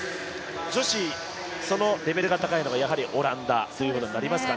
女子、そのレベルが高いのがやはりオランダということになりますか？